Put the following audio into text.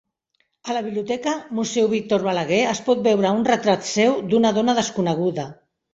A la Biblioteca Museu Víctor Balaguer es pot veure un retrat seu d'una dona desconeguda.